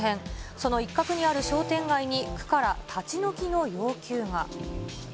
その一角にある商店街に、区から立ち退きの要求が。